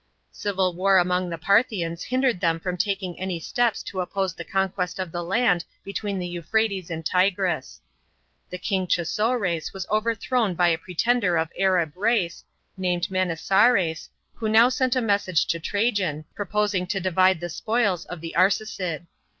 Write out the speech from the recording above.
Civil war among the Parthians hindered them from taking any steps to opp se the conquest of ihe land between the Euphrates and Tigris. The king phosroes was overthrown by a pretender of Arab race. 452 TRAJAN'S PRINCIPATE. CHAP. xxiv. named Manisares, who now sent a message to Trajan, proposing to divide the spoils of the Arsacid.